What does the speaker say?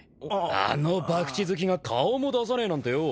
あのバクチ好きが顔も出さねえなんてよ。